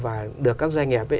và được các doanh nghiệp